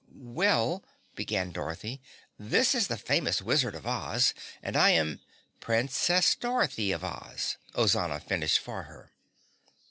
"Well," began Dorothy, "this is the famous Wizard of Oz, and I am " "Princess Dorothy of Oz," Ozana finished for her.